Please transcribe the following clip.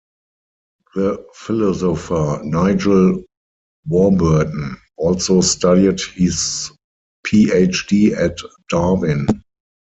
The philosopher Nigel Warburton also studied his PhD at Darwin.